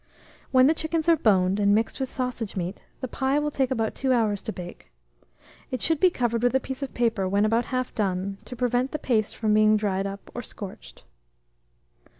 When the chickens are boned, and mixed with sausage meat, the pie will take about 2 hours to bake. It should be covered with a piece of paper when about half done, to prevent the paste from being dried up or scorched.